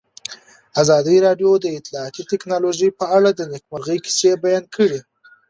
ازادي راډیو د اطلاعاتی تکنالوژي په اړه د نېکمرغۍ کیسې بیان کړې.